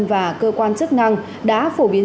và cơ quan chức năng đã phổ biến